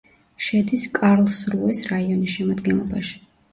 შედის კარლსრუეს რაიონის შემადგენლობაში.